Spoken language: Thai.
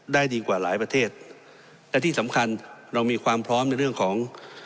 ได้ดีกว่าหลายประเทศและที่สำคัญเรามีความพร้อมในเรื่องของ